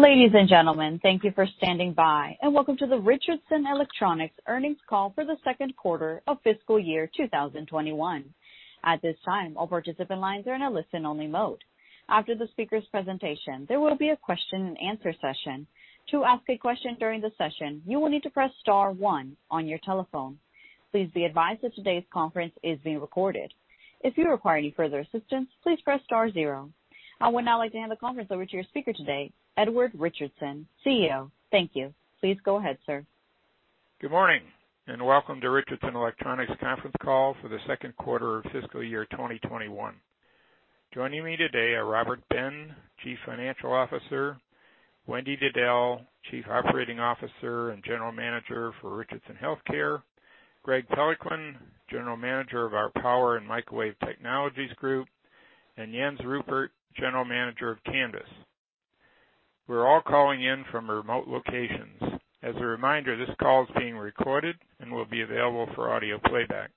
Ladies and gentlemen, thank you for standing by, and welcome to the Richardson Electronics earnings call for the second quarter of fiscal year 2021. I would now like to hand the conference over to your speaker today, Edward Richardson, CEO. Thank you. Please go ahead, sir. Good morning, and welcome to Richardson Electronics conference call for the second quarter of fiscal year 2021. Joining me today are Robert Ben, Chief Financial Officer, Wendy Diddell, Chief Operating Officer and General Manager for Richardson Healthcare, Greg Peloquin, General Manager of our Power & Microwave Technologies Group, and Jens Ruppert, General Manager of Canvys. We're all calling in from remote locations. As a reminder, this call is being recorded and will be available for audio playback.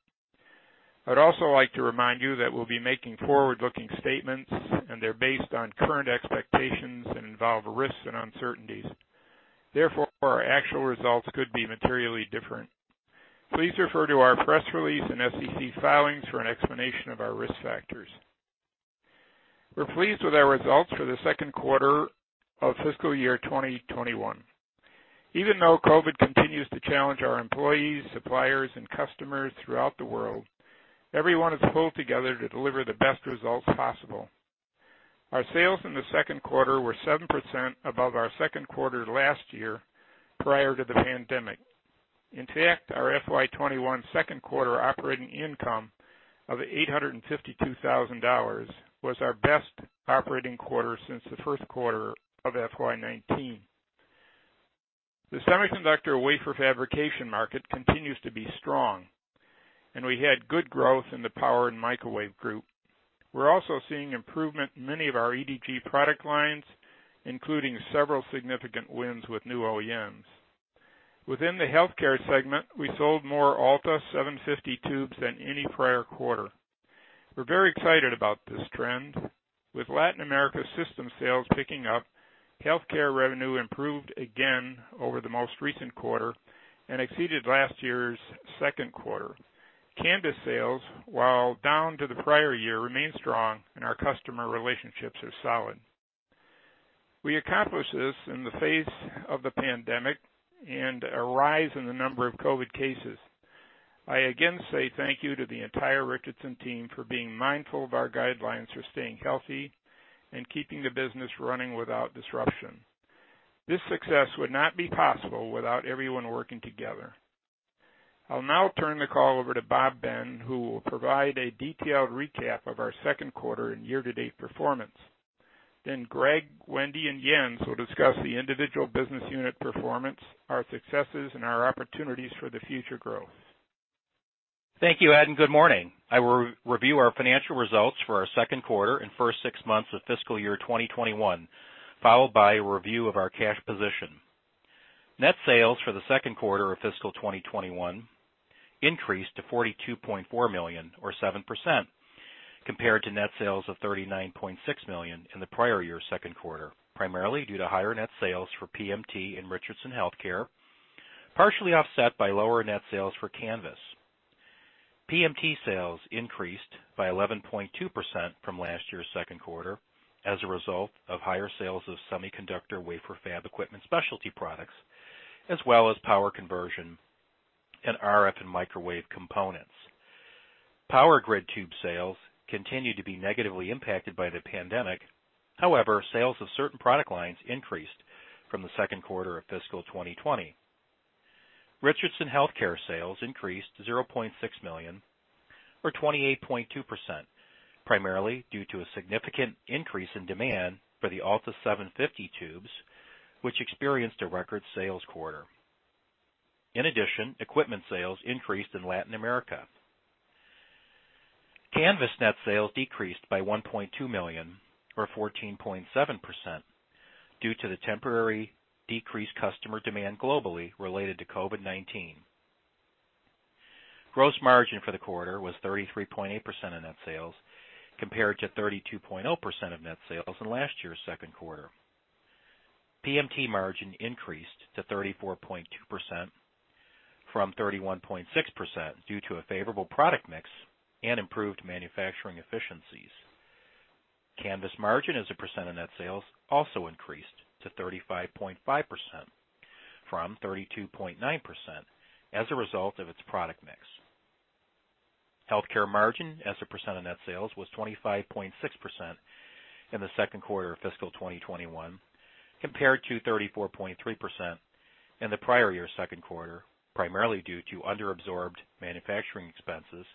I'd also like to remind you that we'll be making forward-looking statements, and they're based on current expectations and involve risks and uncertainties. Therefore, our actual results could be materially different. Please refer to our press release and SEC filings for an explanation of our risk factors. We're pleased with our results for the second quarter of fiscal year 2021. Even though COVID continues to challenge our employees, suppliers, and customers throughout the world, everyone has pulled together to deliver the best results possible. Our sales in the second quarter were 7% above our second quarter last year, prior to the pandemic. In fact, our FY 2021 second quarter operating income of $852,000 was our best operating quarter since the first quarter of FY 2019. The semiconductor wafer fabrication market continues to be strong, and we had good growth in the Power & Microwave Group. We're also seeing improvement in many of our EDG product lines, including several significant wins with new OEMs. Within the healthcare segment, we sold more ALTA 750 tubes than any prior quarter. We're very excited about this trend. With Latin America system sales picking up, healthcare revenue improved again over the most recent quarter and exceeded last year's second quarter. Canvys sales, while down to the prior year, remain strong and our customer relationships are solid. We accomplished this in the face of the pandemic and a rise in the number of COVID cases. I again say thank you to the entire Richardson team for being mindful of our guidelines for staying healthy and keeping the business running without disruption. This success would not be possible without everyone working together. I'll now turn the call over to Bob Ben, who will provide a detailed recap of our second quarter and year-to-date performance. Greg, Wendy, and Jens will discuss the individual business unit performance, our successes, and our opportunities for the future growth. Thank you, Ed, and good morning. I will review our financial results for our second quarter and first six months of fiscal year 2021, followed by a review of our cash position. Net sales for the second quarter of fiscal 2021 increased to $42.4 million, or 7%, compared to net sales of $39.6 million in the prior year second quarter, primarily due to higher net sales for PMT and Richardson Healthcare, partially offset by lower net sales for Canvys. PMT sales increased by 11.2% from last year's second quarter as a result of higher sales of semiconductor wafer fab equipment specialty products, as well as power conversion and RF and microwave components. Power grid tube sales continue to be negatively impacted by the pandemic. However, sales of certain product lines increased from the second quarter of fiscal 2020. Richardson Healthcare sales increased $0.6 million, or 28.2%, primarily due to a significant increase in demand for the ALTA 750 tubes, which experienced a record sales quarter. In addition, equipment sales increased in Latin America. Canvys net sales decreased by $1.2 million, or 14.7%, due to the temporary decreased customer demand globally related to COVID-19. Gross margin for the quarter was 33.8% of net sales, compared to 32.0% of net sales in last year's second quarter. PMT margin increased to 34.2% from 31.6% due to a favorable product mix and improved manufacturing efficiencies. Canvys margin as a percent of net sales also increased to 35.5% from 32.9% as a result of its product mix. Healthcare margin as a percent of net sales was 25.6% in the second quarter of fiscal 2021, compared to 34.3% in the prior year's second quarter, primarily due to underabsorbed manufacturing expenses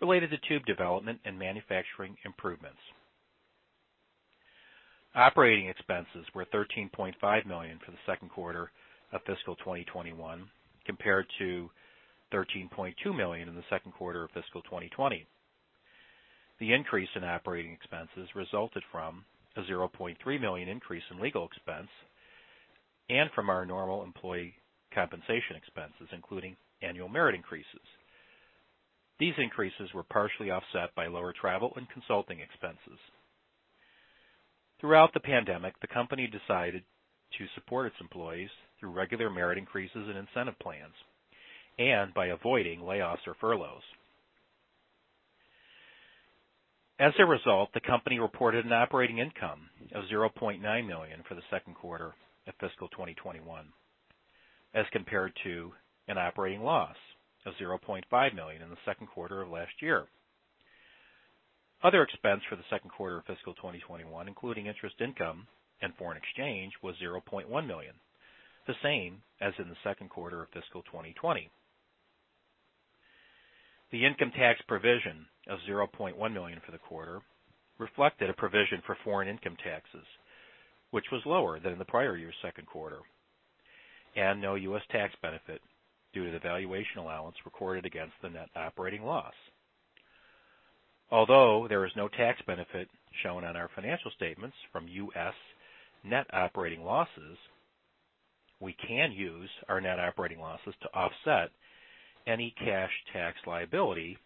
related to tube development and manufacturing improvements. Operating expenses were $13.5 million for the second quarter of fiscal 2021, compared to $13.2 million in the second quarter of fiscal 2020. The increase in operating expenses resulted from a $0.3 million increase in legal expense and from our normal employee compensation expenses, including annual merit increases. These increases were partially offset by lower travel and consulting expenses. Throughout the pandemic, the company decided to support its employees through regular merit increases and incentive plans and by avoiding layoffs or furloughs. As a result, the company reported an operating income of $0.9 million for the second quarter of fiscal 2021, as compared to an operating loss of $0.5 million in the second quarter of last year. Other expense for the second quarter of fiscal 2021, including interest income and foreign exchange, was $0.1 million, the same as in the second quarter of fiscal 2020. The income tax provision of $0.1 million for the quarter reflected a provision for foreign income taxes, which was lower than in the prior year's second quarter, and no U.S. tax benefit due to the valuation allowance recorded against the net operating loss. Although there is no tax benefit shown on our financial statements from U.S. net operating losses, we can use our net operating losses to offset any cash tax liability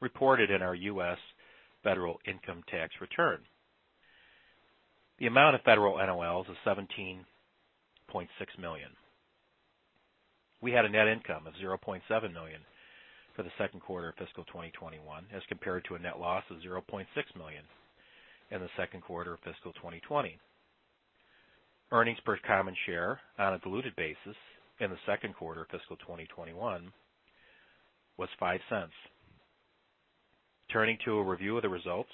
reported in our U.S. federal income tax return. The amount of federal NOLs is $17.6 million. We had a net income of $0.7 million for the second quarter of fiscal 2021, as compared to a net loss of $0.6 million in the second quarter of fiscal 2020. Earnings per common share on a diluted basis in the second quarter of fiscal 2021 was $0.05. Turning to a review of the results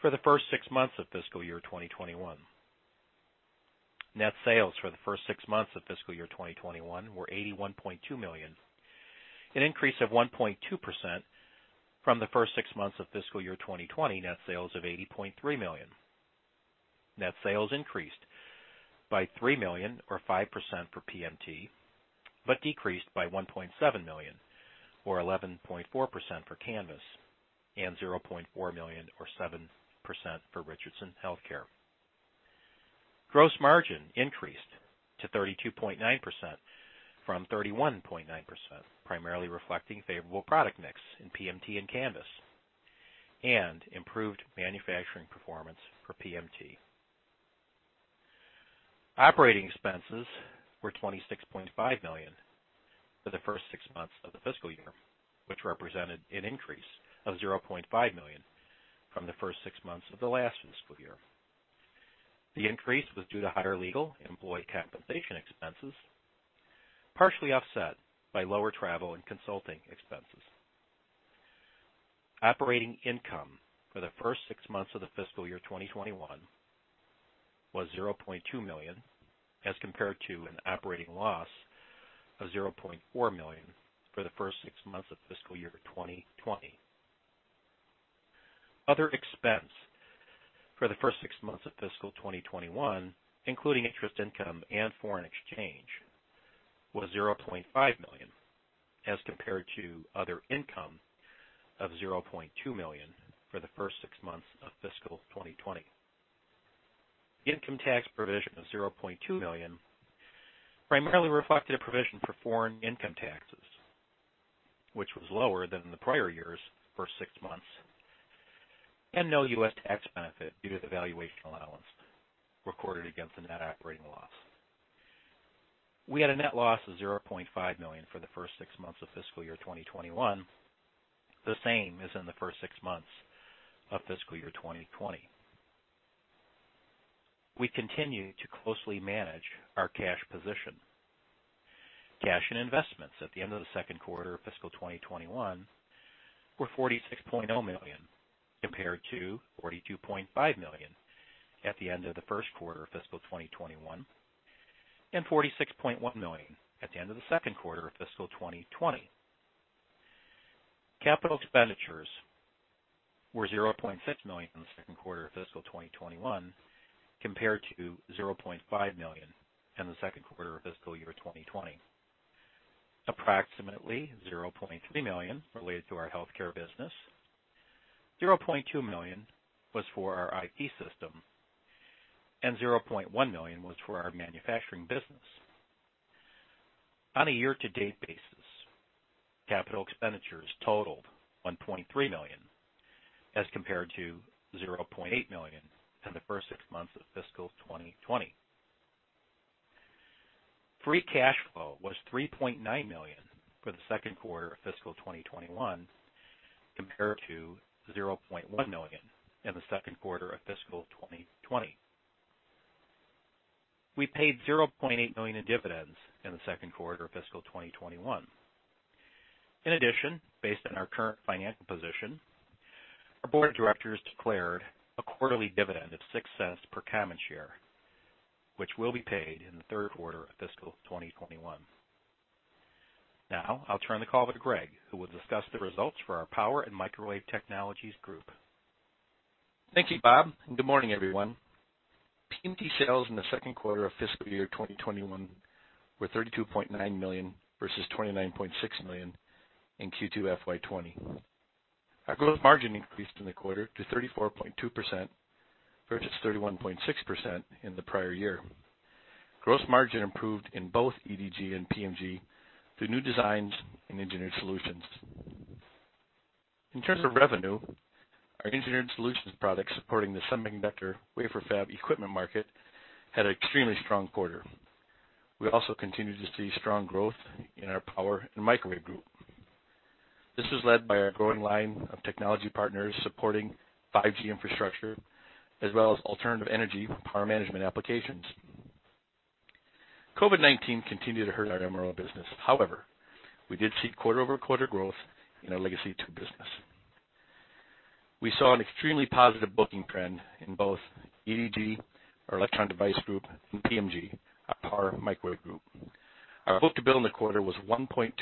for the first six months of fiscal year 2021. Net sales for the first six months of fiscal year 2021 were $81.2 million, an increase of 1.2% from the first six months of fiscal year 2020 net sales of $80.3 million. Net sales increased by $3 million or 5% for PMT, but decreased by $1.7 million or 11.4% for Canvys and $0.4 million or 7% for Richardson Healthcare. Gross margin increased to 32.9% from 31.9%, primarily reflecting favorable product mix in PMT and Canvys and improved manufacturing performance for PMT. Operating expenses were $26.5 million for the first six months of the fiscal year, which represented an increase of $0.5 million from the first six months of the last fiscal year. The increase was due to higher legal employee compensation expenses, partially offset by lower travel and consulting expenses. Operating income for the first six months of the fiscal year 2021 was $0.2 million, as compared to an operating loss of $0.4 million for the first six months of fiscal year 2020. Other expense for the first six months of fiscal 2021, including interest income and foreign exchange, was $0.5 million, as compared to other income of $0.2 million for the first six months of fiscal 2020. The income tax provision of $0.2 million primarily reflected a provision for foreign income taxes, which was lower than in the prior year's first six months, and no U.S. tax benefit due to the valuation allowance recorded against the net operating loss. We had a net loss of $0.5 million for the first six months of fiscal year 2021, the same as in the first six months of fiscal year 2020. We continue to closely manage our cash position. Cash and investments at the end of the second quarter of fiscal 2021 were $46.0 million, compared to $42.5 million at the end of the first quarter of fiscal 2021 and $46.1 million at the end of the second quarter of fiscal 2020. Capital expenditures were $0.6 million in the second quarter of fiscal 2021, compared to $0.5 million in the second quarter of fiscal year 2020. Approximately $0.3 million related to our healthcare business, $0.2 million was for our IT system, and $0.1 million was for our manufacturing business. On a year-to-date basis, capital expenditures totaled $1.3 million, as compared to $0.8 million in the first six months of fiscal 2020. Free cash flow was $3.9 million for the second quarter of fiscal 2021, compared to $0.1 million in the second quarter of fiscal 2020. We paid $0.8 million in dividends in the second quarter of fiscal 2021. In addition, based on our current financial position, our Board of Directors declared a quarterly dividend of $0.06 per common share, which will be paid in the third quarter of fiscal 2021. Now, I'll turn the call over to Greg, who will discuss the results for our Power & Microwave Technologies Group. Thank you, Bob. Good morning, everyone. PMT sales in the second quarter of fiscal year 2021 were $32.9 million, versus $29.6 million in Q2 FY 2020. Our gross margin increased in the quarter to 34.2%, versus 31.6% in the prior year. Gross margin improved in both EDG and PMG through new designs and engineered solutions. In terms of revenue, our engineered solutions products supporting the semiconductor wafer fab equipment market had an extremely strong quarter. We also continue to see strong growth in our Power & Microwave Group. This was led by our growing line of technology partners supporting 5G infrastructure, as well as alternative energy power management applications. COVID-19 continued to hurt our MRO business. However, we did see quarter-over-quarter growth in our legacy tube business. We saw an extremely positive booking trend in both EDG, our Electron Device Group, and PMG, our Power & Microwave Group. Our book-to-bill in the quarter was 1.24.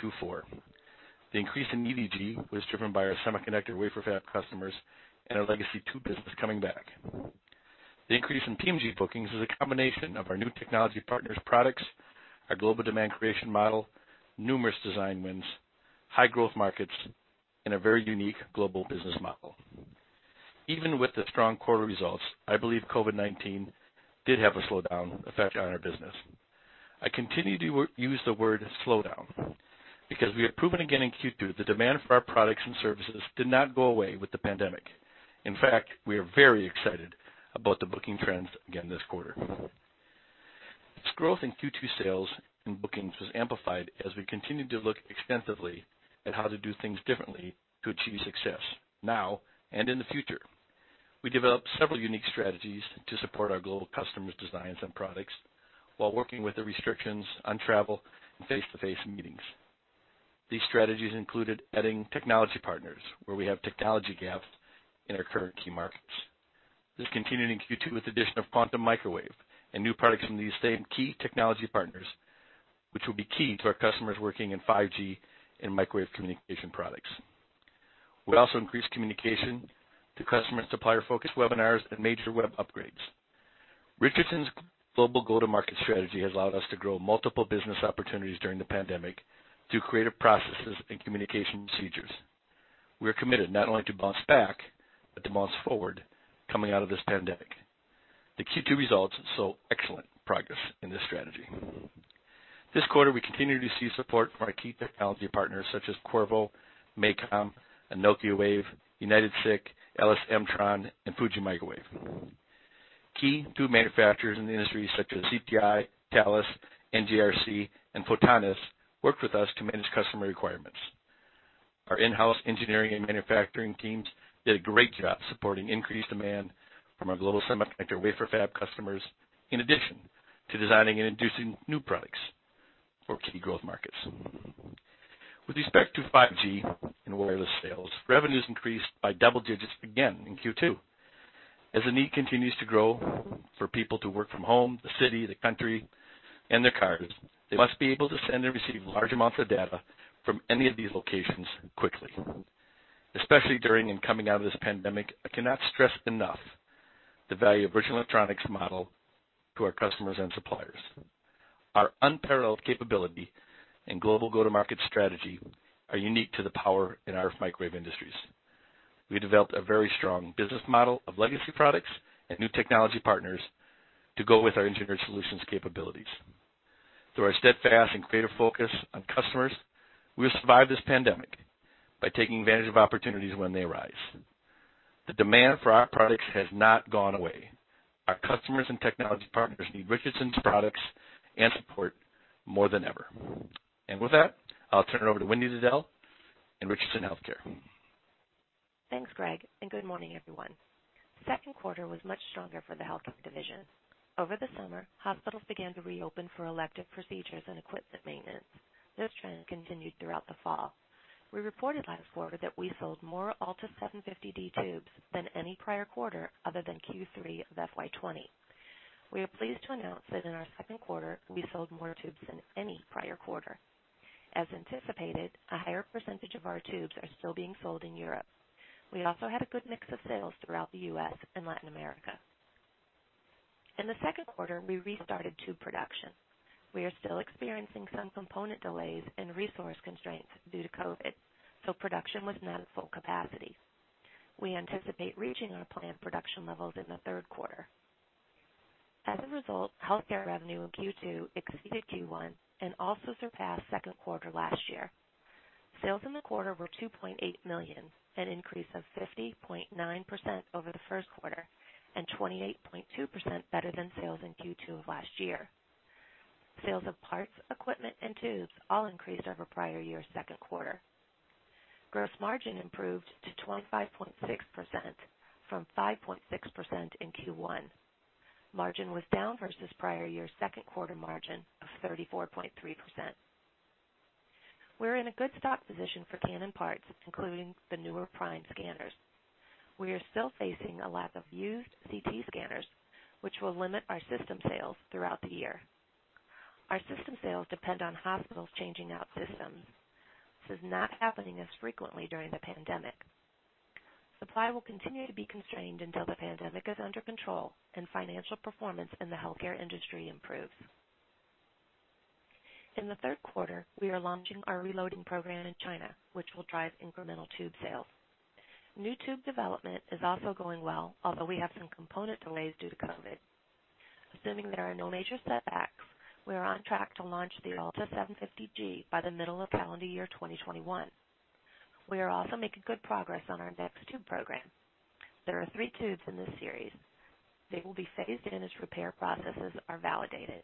The increase in EDG was driven by our semiconductor wafer fab customers and our legacy tube business coming back. The increase in PMG bookings is a combination of our new technology partners' products, our global demand creation model, numerous design wins, high growth markets, and a very unique global business model. Even with the strong quarter results, I believe COVID-19 did have a slowdown effect on our business. I continue to use the word slowdown, because we have proven again in Q2, the demand for our products and services did not go away with the pandemic. We are very excited about the booking trends again this quarter. This growth in Q2 sales and bookings was amplified as we continued to look extensively at how to do things differently to achieve success now and in the future. We developed several unique strategies to support our global customers' designs and products while working with the restrictions on travel and face-to-face meetings. These strategies included adding technology partners, where we have technology gaps in our current key markets. This continued in Q2 with the addition of Quantum Microwave and new products from these same key technology partners, which will be key to our customers working in 5G and microwave communication products. We also increased communication to customer and supplier-focused webinars and major web upgrades. Richardson's global go-to-market strategy has allowed us to grow multiple business opportunities during the pandemic through creative processes and communication procedures. We are committed not only to bounce back, but to bounce forward coming out of this pandemic. The Q2 results saw excellent progress in this strategy. This quarter, we continue to see support from our key technology partners such as Qorvo, MACOM, Anokiwave, UnitedSiC, LS Mtron, and Fuji Electric. Key tube manufacturers in the industry such as CPI, Thales, NJR, and Photonis worked with us to manage customer requirements. Our in-house engineering and manufacturing teams did a great job supporting increased demand from our global semiconductor wafer fab customers, in addition to designing and introducing new products for key growth markets. With respect to 5G and wireless sales, revenues increased by double digits again in Q2. As the need continues to grow for people to work from home, the city, the country, and their cars, they must be able to send and receive large amounts of data from any of these locations quickly. Especially during and coming out of this pandemic, I cannot stress enough the value of Richardson Electronics' model to our customers and suppliers. Our unparalleled capability and global go-to-market strategy are unique to the power and our microwave industries. We developed a very strong business model of legacy products and new technology partners to go with our engineered solutions capabilities. Through our steadfast and creative focus on customers, we will survive this pandemic by taking advantage of opportunities when they arise. The demand for our products has not gone away. Our customers and technology partners need Richardson's products and support more than ever. With that, I'll turn it over to Wendy Diddell in Richardson Healthcare. Thanks, Greg, and good morning, everyone. The second quarter was much stronger for the healthcare division. Over the summer, hospitals began to reopen for elective procedures and equipment maintenance. This trend continued throughout the fall. We reported last quarter that we sold more ALTA 750D tubes than any prior quarter other than Q3 of FY 2020. We are pleased to announce that in our second quarter, we sold more tubes than any prior quarter. As anticipated, a higher percentage of our tubes are still being sold in Europe. We also had a good mix of sales throughout the U.S. and Latin America. In the second quarter, we restarted tube production. We are still experiencing some component delays and resource constraints due to COVID, so production was not at full capacity. We anticipate reaching our planned production levels in the third quarter. As a result, healthcare revenue in Q2 exceeded Q1 and also surpassed second quarter last year. Sales in the quarter were $2.8 million, an increase of 50.9% over the first quarter and 28.2% better than sales in Q2 of last year. Sales of parts, equipment, and tubes all increased over prior year second quarter. Gross margin improved to 25.6% from 5.6% in Q1. Margin was down versus prior year second quarter margin of 34.3%. We're in a good stock position for Canon parts, including the newer Prime scanners. We are still facing a lack of used CT scanners, which will limit our system sales throughout the year. Our system sales depend on hospitals changing out systems. This is not happening as frequently during the pandemic. Supply will continue to be constrained until the pandemic is under control and financial performance in the healthcare industry improves. In the third quarter, we are launching our reloading program in China, which will drive incremental tube sales. New tube development is also going well, although we have some component delays due to COVID. Assuming there are no major setbacks, we are on track to launch the ALTA 750G by the middle of calendar year 2021. We are also making good progress on our next tube program. There are three tubes in this series. They will be phased in as repair processes are validated.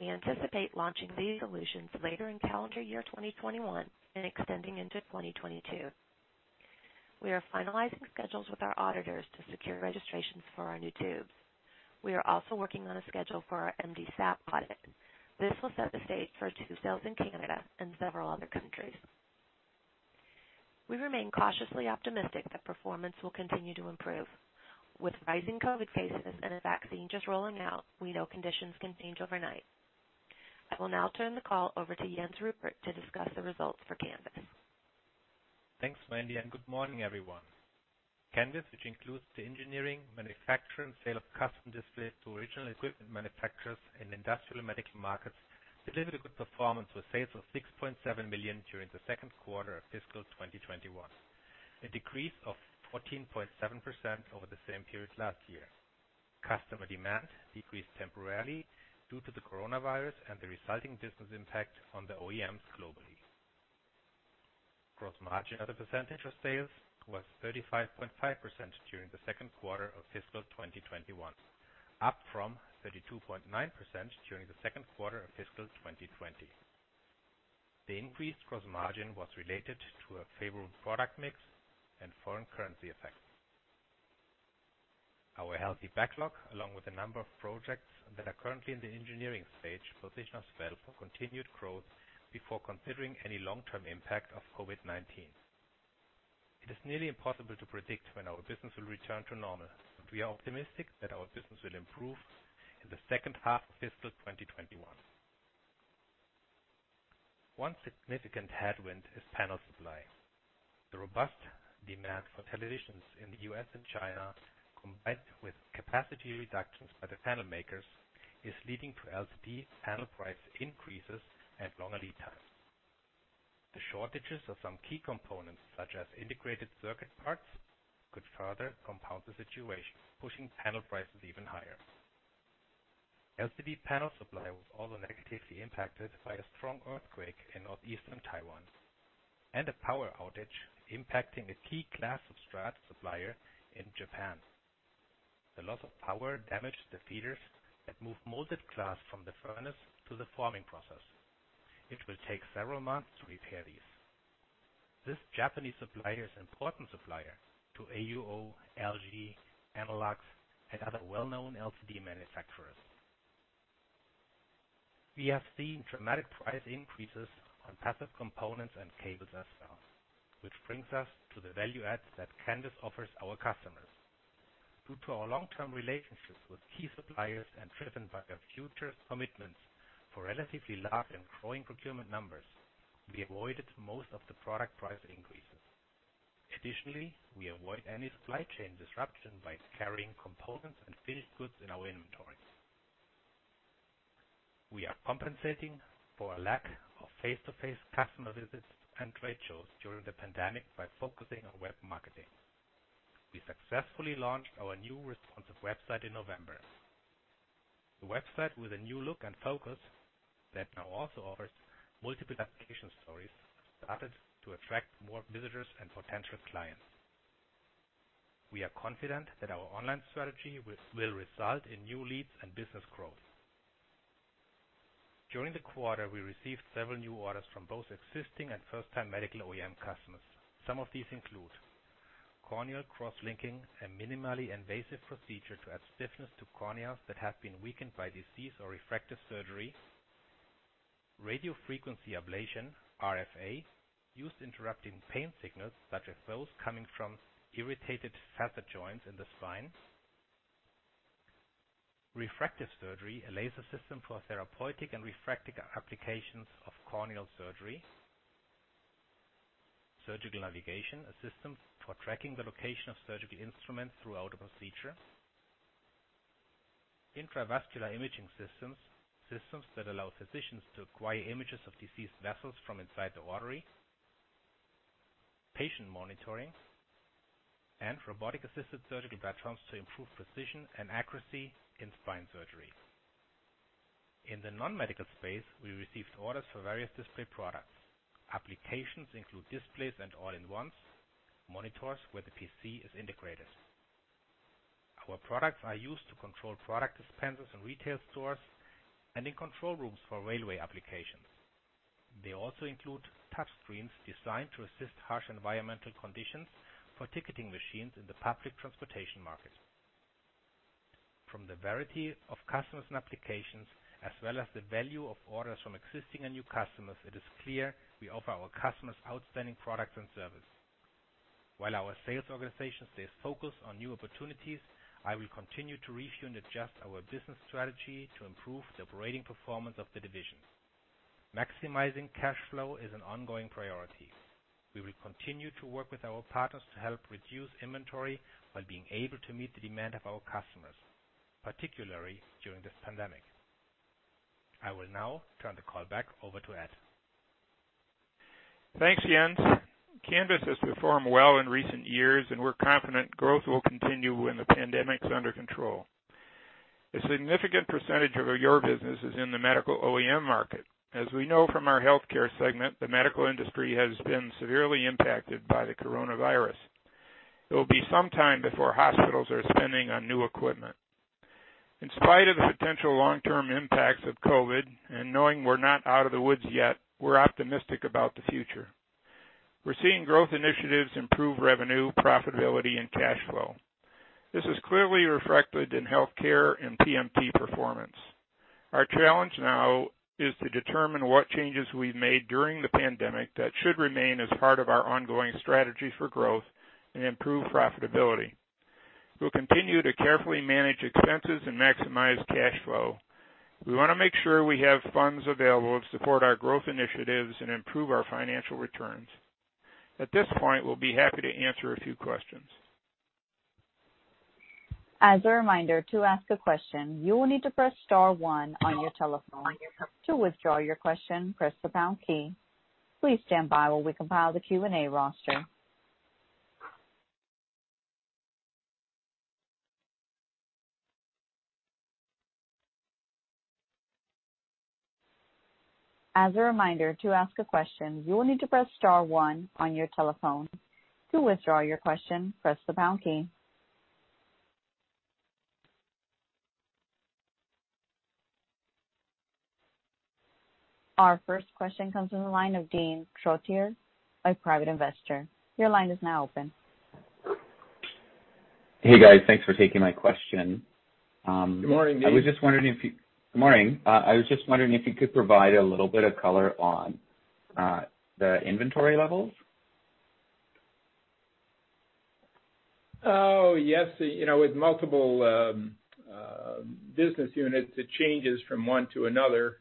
We anticipate launching these solutions later in calendar year 2021 and extending into 2022. We are finalizing schedules with our auditors to secure registrations for our new tubes. We are also working on a schedule for our MDSAP audit. This will set the stage for tube sales in Canada and several other countries. We remain cautiously optimistic that performance will continue to improve. With rising COVID cases and a vaccine just rolling out, we know conditions can change overnight. I will now turn the call over to Jens Ruppert to discuss the results for Canvys. Thanks, Wendy, and good morning, everyone. Canvys, which includes the engineering, manufacturing, and sale of custom displays to original equipment manufacturers in industrial and medical markets, delivered a good performance with sales of $6.7 million during the second quarter of fiscal 2021, a decrease of 14.7% over the same period last year. Customer demand decreased temporarily due to the coronavirus and the resulting business impact on the OEMs globally. Gross margin as a percentage of sales was 35.5% during the second quarter of fiscal 2021, up from 32.9% during the second quarter of fiscal 2020. The increased gross margin was related to a favorable product mix and foreign currency effect. Our healthy backlog, along with a number of projects that are currently in the engineering stage, position us well for continued growth before considering any long-term impact of COVID-19. It is nearly impossible to predict when our business will return to normal, but we are optimistic that our business will improve in the second half of fiscal 2021. One significant headwind is panel supply. The robust demand for televisions in the U.S. and China, combined with capacity reductions by the panel makers, is leading to LCD panel price increases and longer lead times. The shortages of some key components, such as integrated circuit parts, could further compound the situation, pushing panel prices even higher. LCD panel supply was also negatively impacted by a strong earthquake in northeastern Taiwan and a power outage impacting a key glass substrate supplier in Japan. The loss of power damaged the feeders that move molded glass from the furnace to the forming process. It will take several months to repair these. This Japanese supplier is an important supplier to AUO, LG, Innolux, and other well-known LCD manufacturers. We have seen dramatic price increases on passive components and cables as well, which brings us to the value adds that Canvys offers our customers. Due to our long-term relationships with key suppliers and driven by our future commitments for relatively large and growing procurement numbers, we avoided most of the product price increases. Additionally, we avoid any supply chain disruption by carrying components and finished goods in our inventories. We are compensating for a lack of face-to-face customer visits and trade shows during the pandemic by focusing on web marketing. We successfully launched our new responsive website in November. The website, with a new look and focus that now also offers multiple application stories, started to attract more visitors and potential clients. We are confident that our online strategy will result in new leads and business growth. During the quarter, we received several new orders from both existing and first-time medical OEM customers. Some of these include corneal cross-linking, a minimally invasive procedure to add stiffness to corneas that have been weakened by disease or refractive surgery, radiofrequency ablation, RFA, used to interrupting pain signals such as those coming from irritated facet joints in the spine, refractive surgery, a laser system for therapeutic and refractive applications of corneal surgery, surgical navigation, a system for tracking the location of surgical instruments throughout a procedure, intravascular imaging systems that allow physicians to acquire images of diseased vessels from inside the artery, patient monitoring, and robotic-assisted surgical platforms to improve precision and accuracy in spine surgery. In the non-medical space, we received orders for various display products. Applications include displays and all-in-ones, monitors where the PC is integrated. Our products are used to control product dispensers in retail stores and in control rooms for railway applications. They also include touchscreens designed to resist harsh environmental conditions for ticketing machines in the public transportation market. From the variety of customers and applications, as well as the value of orders from existing and new customers, it is clear we offer our customers outstanding products and service. While our sales organization stays focused on new opportunities, I will continue to review and adjust our business strategy to improve the operating performance of the divisions. Maximizing cash flow is an ongoing priority. We will continue to work with our partners to help reduce inventory while being able to meet the demand of our customers, particularly during this pandemic. I will now turn the call back over to Ed. Thanks, Jens. Canvys has performed well in recent years, we're confident growth will continue when the pandemic's under control. A significant percentage of your business is in the medical OEM market. As we know from our healthcare segment, the medical industry has been severely impacted by the coronavirus. It will be some time before hospitals are spending on new equipment. In spite of the potential long-term impacts of COVID, knowing we're not out of the woods yet, we're optimistic about the future. We're seeing growth initiatives improve revenue, profitability, and cash flow. This is clearly reflected in healthcare and PMT performance. Our challenge now is to determine what changes we've made during the pandemic that should remain as part of our ongoing strategy for growth and improved profitability. We'll continue to carefully manage expenses and maximize cash flow. We want to make sure we have funds available to support our growth initiatives and improve our financial returns. At this point, we will be happy to answer a few questions. Our first question comes from the line of Dean Trottier, a private investor. Your line is now open. Hey, guys. Thanks for taking my question. Good morning, Dean. Good morning. I was just wondering if you could provide a little bit of color on the inventory levels? Oh, yes. With multiple business units, it changes from one to another.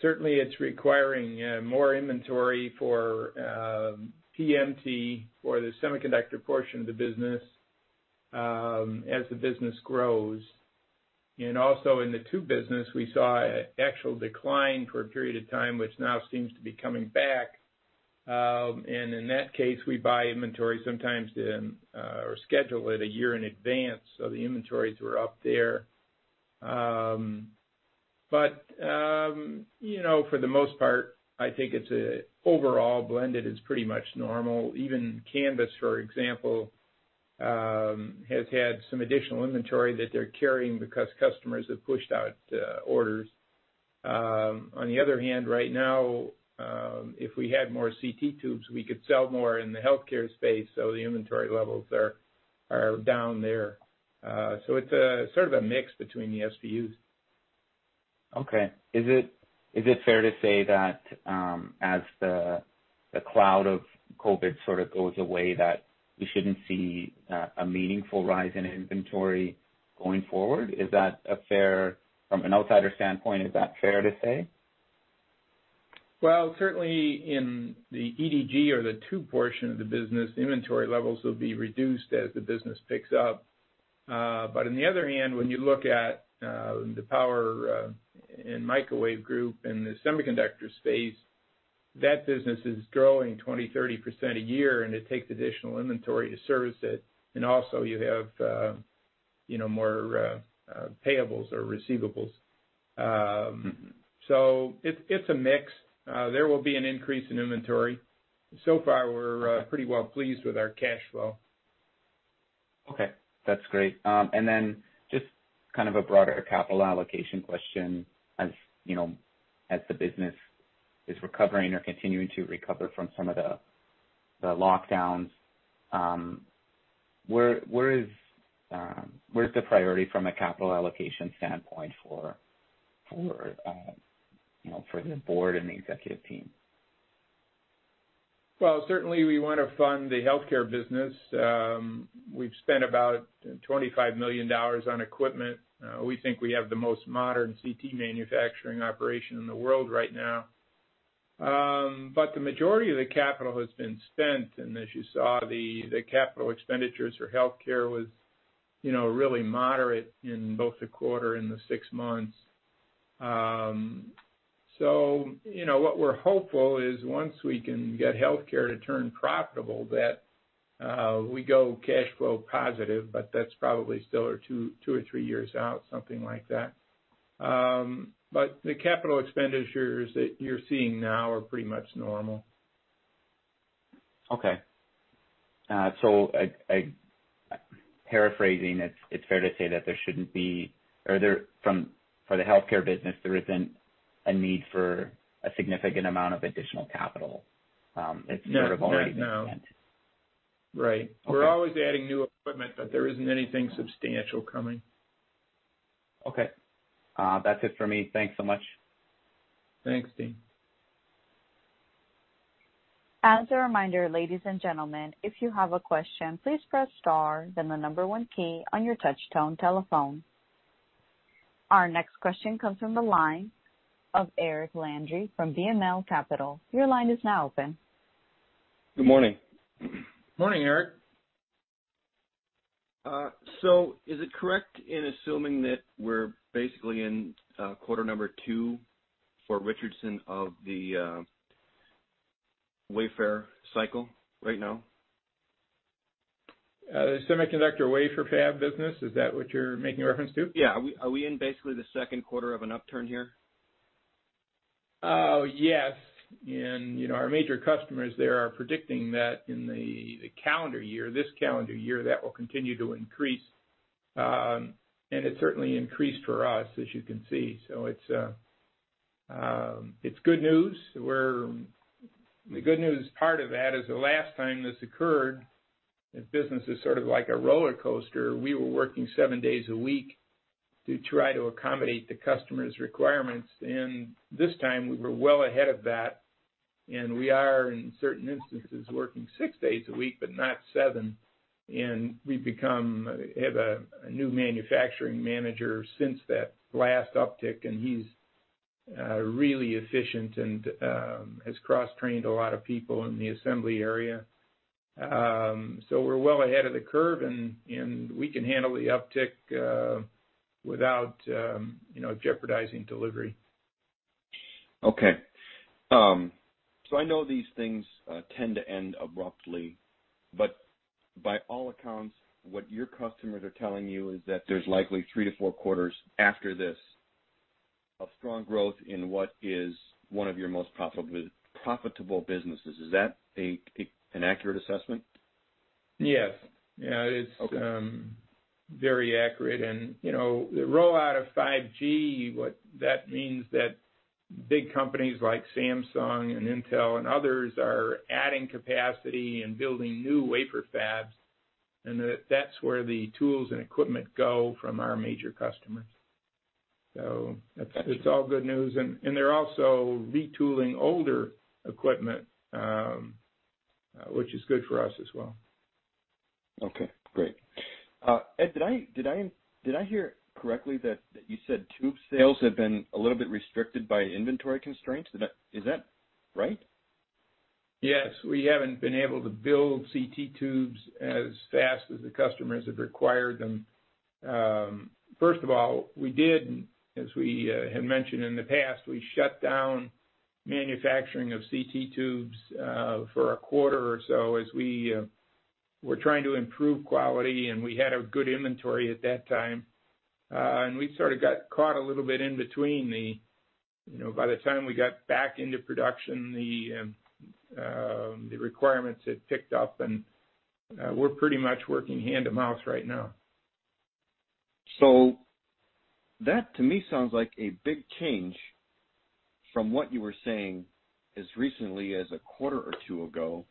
Certainly, it's requiring more inventory for PMT, for the semiconductor portion of the business, as the business grows. Also in the tube business, we saw an actual decline for a period of time, which now seems to be coming back. In that case, we buy inventory sometimes or schedule it a year in advance. The inventories were up there. For the most part, I think overall, blended is pretty much normal. Even Canvys, for example, has had some additional inventory that they're carrying because customers have pushed out orders. On the other hand, right now, if we had more CT tubes, we could sell more in the healthcare space. The inventory levels are down there. It's sort of a mix between the SBUs. Okay. Is it fair to say that, as the cloud of COVID sort of goes away, that we shouldn't see a meaningful rise in inventory going forward? From an outsider standpoint, is that fair to say? Well, certainly in the EDG or the tube portion of the business, inventory levels will be reduced as the business picks up. On the other hand, when you look at the Power & Microwave Group and the semiconductor space, that business is growing 20%, 30% a year, and it takes additional inventory to service it. Also, you have more payables or receivables. It's a mix. There will be an increase in inventory. So far, we're pretty well pleased with our cash flow. Okay, that's great. Then just kind of a broader capital allocation question. As the business is recovering or continuing to recover from some of the lockdowns, where's the priority from a capital allocation standpoint for the board and the executive team? Certainly, we want to fund the healthcare business. We've spent about $25 million on equipment. We think we have the most modern CT manufacturing operation in the world right now. The majority of the capital has been spent, and as you saw, the capital expenditures for healthcare was really moderate in both the quarter and the six months. What we're hopeful is once we can get healthcare to turn profitable, that we go cash flow positive, but that's probably still two or three years out, something like that. The capital expenditures that you're seeing now are pretty much normal. Okay. Paraphrasing, it's fair to say that for the healthcare business, there isn't a need for a significant amount of additional capital. It's sort of already been spent. Right. We're always adding new equipment, but there isn't anything substantial coming. Okay. That's it for me. Thanks so much. Thanks, Dean. Our next question comes from the line of Eric Landry from BML Capital. Good morning. Morning, Eric. Is it correct in assuming that we're basically in quarter number two for Richardson of the wafer cycle right now? The semiconductor wafer fab business, is that what you're making a reference to? Yeah. Are we in basically the second quarter of an upturn here? Yes. Our major customers there are predicting that in this calendar year, that will continue to increase. It certainly increased for us as you can see. It's good news. The good news part of that is the last time this occurred, this business is sort of like a roller coaster. We were working seven days a week to try to accommodate the customer's requirements. This time we were well ahead of that, and we are, in certain instances, working six days a week, but not seven. We have a new manufacturing manager since that last uptick, and he's really efficient and has cross-trained a lot of people in the assembly area. We're well ahead of the curve and we can handle the uptick without jeopardizing delivery. Okay. I know these things tend to end abruptly, but by all accounts, what your customers are telling you is that there's likely three to four quarters after this of strong growth in what is one of your most profitable businesses. Is that an accurate assessment? Yes. It's- Okay. Very accurate. The rollout of 5G, what that means that big companies like Samsung and Intel and others are adding capacity and building new wafer fabs, and that's where the tools and equipment go from our major customers. It's all good news. They're also retooling older equipment, which is good for us as well. Okay, great. Ed, did I hear correctly that you said tube sales have been a little bit restricted by inventory constraints? Is that right? Yes. We haven't been able to build CT tubes as fast as the customers have required them. First of all, we did, as we had mentioned in the past, we shut down manufacturing of CT tubes for a quarter or so as we were trying to improve quality, and we had a good inventory at that time. We sort of got caught a little bit in between by the time we got back into production, the requirements had picked up and we're pretty much working hand-to-mouth right now. That to me sounds like a big change from what you were saying as recently as a quarter or two ago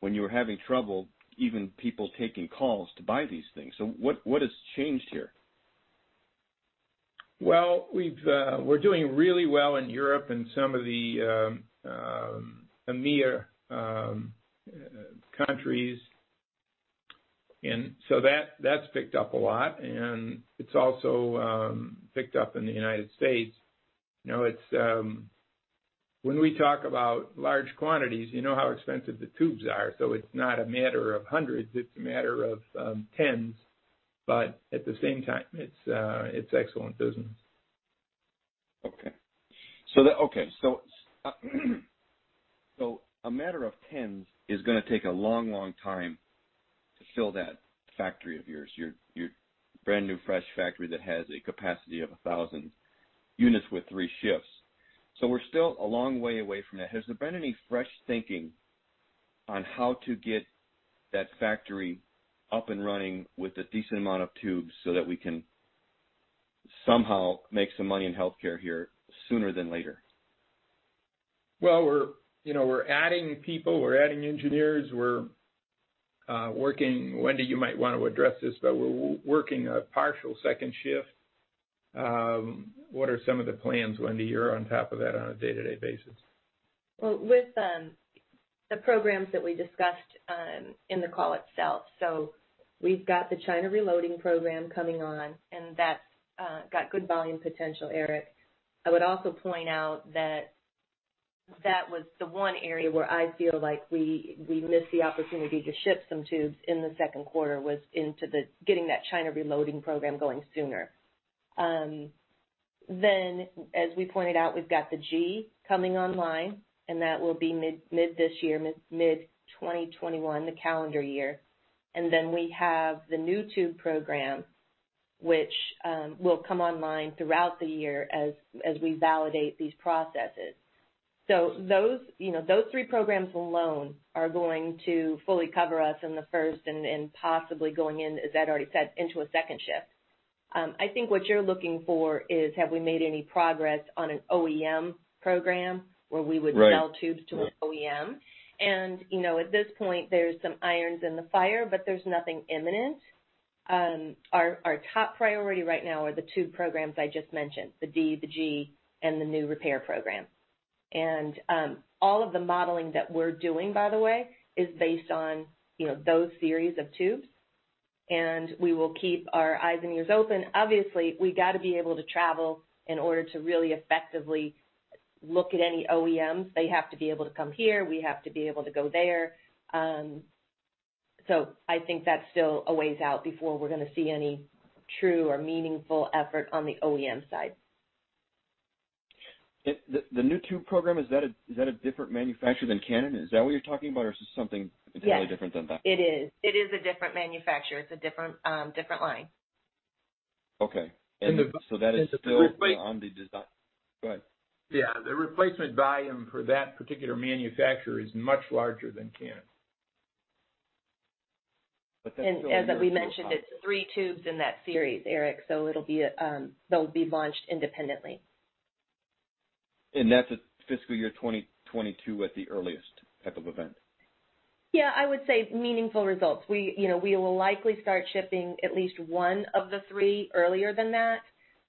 when you were having trouble, even people taking calls to buy these things? What has changed here? We're doing really well in Europe and some of the EMEA countries, that's picked up a lot and it's also picked up in the United States. When we talk about large quantities, you know how expensive the tubes are. It's not a matter of hundreds, it's a matter of tens. At the same time, it's excellent business. Okay. A matter of tens is going to take a long time to fill that factory of yours, your brand-new fresh factory that has a capacity of 1,000 units with three shifts. We're still a long way away from that. Has there been any fresh thinking on how to get that factory up and running with a decent amount of tubes so that we can somehow make some money in healthcare here sooner than later? Well, we're adding people, we're adding engineers. Wendy, you might want to address this, but we're working a partial second shift. What are some of the plans, Wendy? You're on top of that on a day-to-day basis. With the programs that we discussed in the call itself. We've got the China reloading program coming on, and that's got good volume potential, Eric. I would also point out that that was the one area where I feel like we missed the opportunity to ship some tubes in the second quarter was into getting that China reloading program going sooner. As we pointed out, we've got the G coming online, and that will be mid this year, mid 2021, the calendar year. We have the new tube program, which will come online throughout the year as we validate these processes. Those three programs alone are going to fully cover us in the first and possibly going in, as Ed already said, into a second shift. I think what you're looking for is have we made any progress on an OEM program where we would sell. Right. Tubes to an OEM. At this point, there's some irons in the fire, but there's nothing imminent. Our top priority right now are the tube programs I just mentioned, the D, the G, and the new repair program. All of the modeling that we're doing, by the way, is based on those series of tubes, and we will keep our eyes and ears open. Obviously, we got to be able to travel in order to really effectively look at any OEMs. They have to be able to come here. We have to be able to go there. I think that's still a ways out before we're going to see any true or meaningful effort on the OEM side. The new tube program, is that a different manufacturer than Canon? Is that what you're talking about? Yes Entirely different than that? It is. It is a different manufacturer. It's a different line. Okay. That is still. And the replacement. On the design. Go ahead. Yeah. The replacement volume for that particular manufacturer is much larger than Canon. That's still years away. As we mentioned, it's three tubes in that series, Eric, so they'll be launched independently. That's fiscal year 2022 at the earliest type of event? Yeah, I would say meaningful results. We will likely start shipping at least one of the three earlier than that.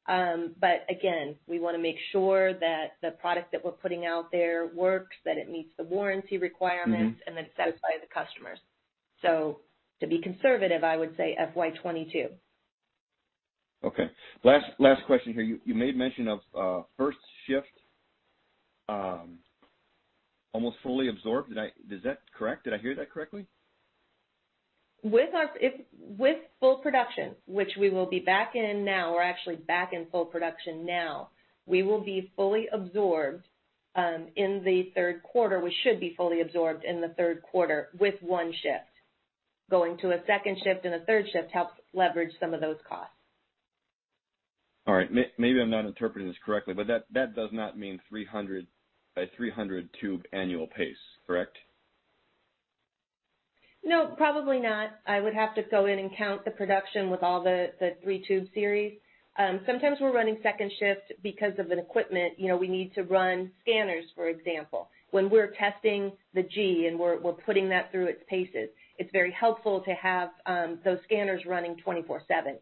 Again, we want to make sure that the product that we're putting out there works, that it meets the warranty requirements. And that satisfy the customers. To be conservative, I would say FY 2022. Okay. Last question here. You made mention of first shift almost fully absorbed. Is that correct? Did I hear that correctly? With full production, which we will be back in now, we're actually back in full production now. We will be fully absorbed in the third quarter. We should be fully absorbed in the third quarter with one shift. Going to a second shift and a third shift helps leverage some of those costs. All right. Maybe I'm not interpreting this correctly, but that does not mean a 300-tube annual pace, correct? No, probably not. I would have to go in and count the production with all the three tube series. Sometimes we're running second shift because of an equipment. We need to run scanners, for example. When we're testing the G, and we're putting that through its paces, it's very helpful to have those scanners running 24/7.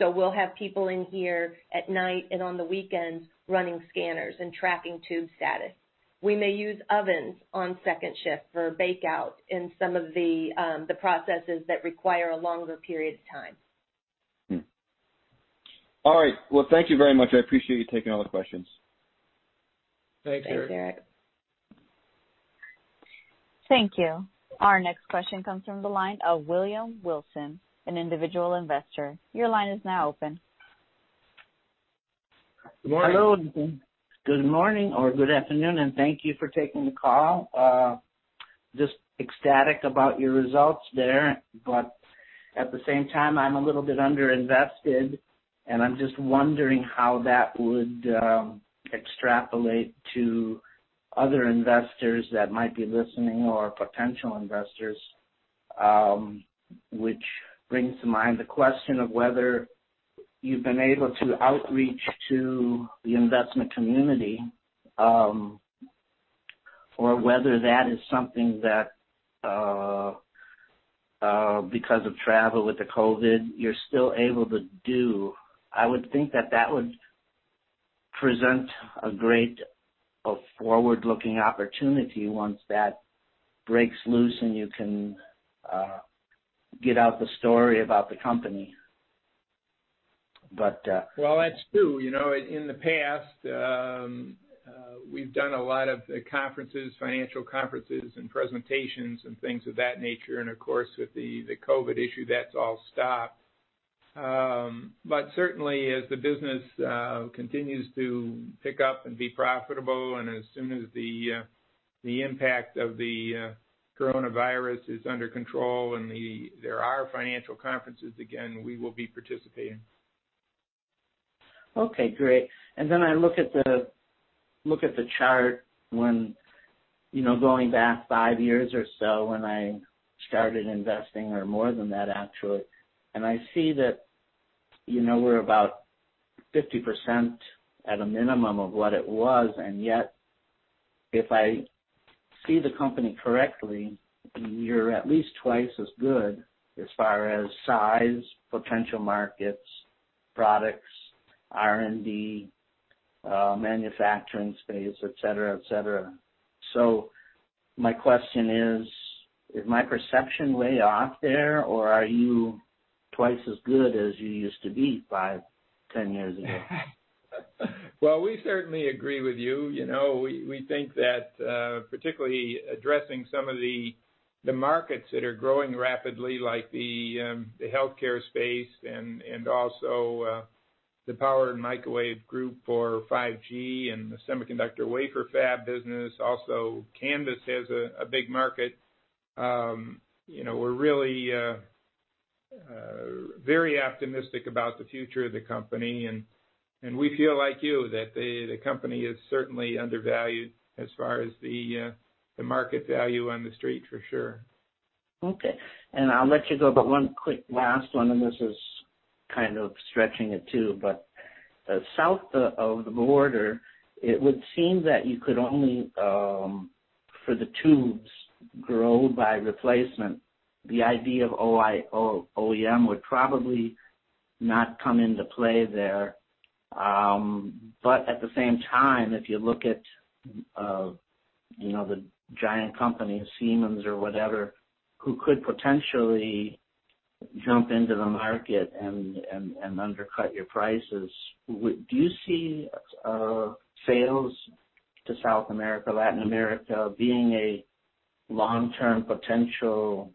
We'll have people in here at night and on the weekends running scanners and tracking tube status. We may use ovens on second shift for bakeout in some of the processes that require a longer period of time. All right. Well, thank you very much. I appreciate you taking all the questions. Thanks, Eric. Thanks, Eric. Thank you. Our next question comes from the line of William Wilson, an individual investor. Your line is now open. Good morning. Hello. Good morning or good afternoon, and thank you for taking the call. Just ecstatic about your results there, but at the same time, I'm a little bit under-invested, and I'm just wondering how that would extrapolate to other investors that might be listening or potential investors, which brings to mind the question of whether you've been able to outreach to the investment community, or whether that is something that, because of travel with the COVID, you're still able to do. I would think that that would present a great forward-looking opportunity once that breaks loose and you can get out the story about the company. Well, that's true. In the past, we've done a lot of conferences, financial conferences, and presentations and things of that nature, and of course, with the COVID issue, that's all stopped. Certainly, as the business continues to pick up and be profitable, and as soon as the impact of the coronavirus is under control and there are financial conferences again, we will be participating. Okay, great. I look at the chart when going back five years or so, when I started investing, or more than that, actually. I see that we're about 50% at a minimum of what it was, and yet, if I see the company correctly, you're at least twice as good as far as size, potential markets, products, R&D, manufacturing space, et cetera. My question is my perception way off there, or are you twice as good as you used to be five, 10 years ago? We certainly agree with you. We think that particularly addressing some of the markets that are growing rapidly, like the healthcare space and also the Power & Microwave Group for 5G and the semiconductor wafer fab business, also Canvys has a big market. We're really very optimistic about the future of the company, and we feel like you, that the company is certainly undervalued as far as the market value on the street, for sure. Okay. I'll let you go, one quick last one, this is kind of stretching it too, south of the border, it would seem that for the tubes grow by replacement, the idea of OEM would probably not come into play there. At the same time, if you look at the giant companies, Siemens or whatever, who could potentially jump into the market and undercut your prices, do you see sales to South America, Latin America, being a long-term potential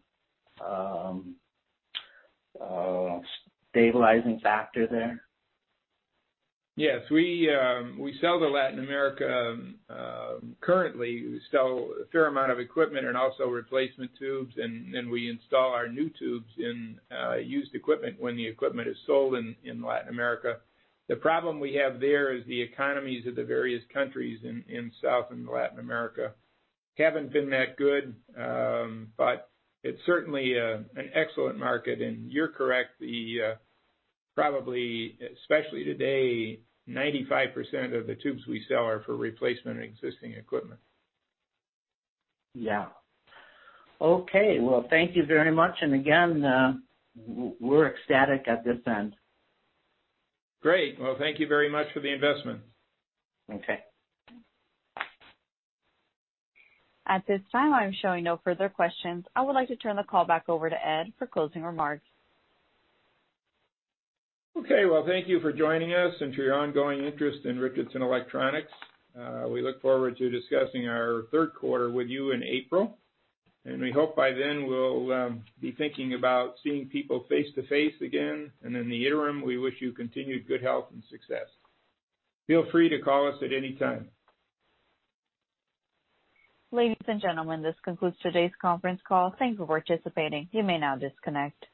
stabilizing factor there? Yes. We sell to Latin America. Currently, we sell a fair amount of equipment and also replacement tubes, and then we install our new tubes in used equipment when the equipment is sold in Latin America. The problem we have there is the economies of the various countries in South and Latin America haven't been that good. It's certainly an excellent market, and you're correct, probably, especially today, 95% of the tubes we sell are for replacement of existing equipment. Yeah. Okay. Well, thank you very much. Again, we're ecstatic at this end. Great. Well, thank you very much for the investment. Okay. At this time, I'm showing no further questions. I would like to turn the call back over to Ed for closing remarks. Okay. Well, thank you for joining us and for your ongoing interest in Richardson Electronics. We look forward to discussing our third quarter with you in April, and we hope by then we'll be thinking about seeing people face-to-face again. In the interim, we wish you continued good health and success. Feel free to call us at any time. Ladies and gentlemen, this concludes today's conference call. Thank you for participating. You may now disconnect.